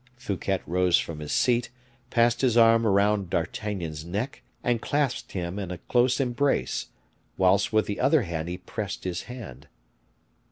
'" Fouquet rose from his seat, passed his arm round D'Artagnan's neck, and clasped him in a close embrace, whilst with the other hand he pressed his hand.